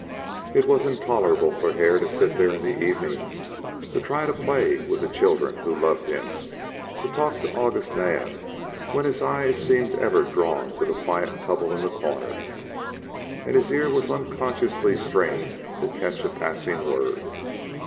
It was intolerable for Hare to sit there in the evenings, to try to play with the children who loved him, to talk to August Naab when his eye seemed ever drawn to the quiet couple in the corner, and his ear was unconsciously strained to catch a passing word.